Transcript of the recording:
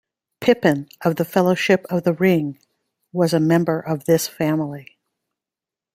Pippin of the Fellowship of the Ring was a member of this family.